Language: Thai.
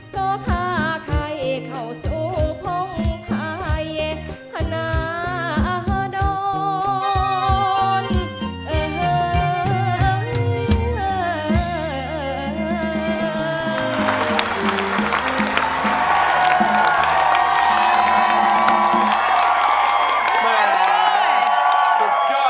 ก็ฆ่าใครเข้าสู่พงภายธนา